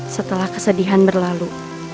setelah kesedihan berlalu